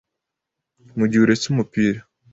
mu gihe uretse umupira